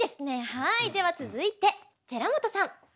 はいでは続いててらもとさん。